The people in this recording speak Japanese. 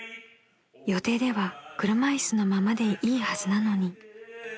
［予定では車椅子のままでいいはずなのに］